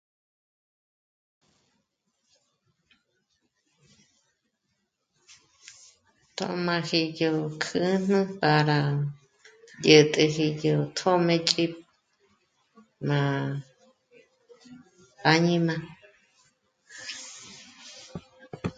Tjómaji yó kjǚjnü para yä̀t'äji yó tjṓmëch'i má áñima